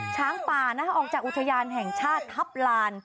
ช้างป่าออกจากอุทยานแห่งชาติทัพลาน